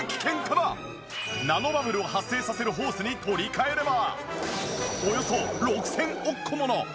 ナノバブルを発生させるホースに取り換えれば。